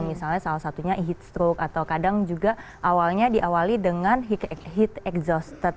misalnya salah satunya heat stroke atau kadang juga awalnya diawali dengan heat exhausted